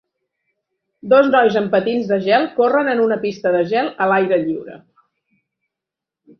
Dos nois amb patins de gel corren en una pista de gel a l'aire lliure.